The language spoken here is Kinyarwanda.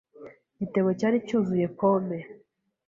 Igitebo cyari cyuzuye pome.